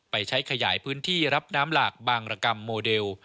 ไปใช้ขยายพื้นที่รับน้ำหลากบางรกรรมโมเดล